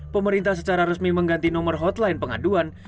pemerintah secara resmi mengganti nomor hotline pengaduan